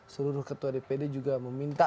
seluruh ketua dpd juga meminta